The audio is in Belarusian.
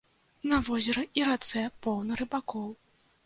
На возеры і рацэ поўна рыбакоў.